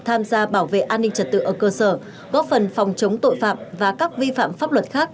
tham gia bảo vệ an ninh trật tự ở cơ sở góp phần phòng chống tội phạm và các vi phạm pháp luật khác